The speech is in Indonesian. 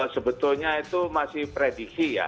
sebetulnya itu masih prediksi ya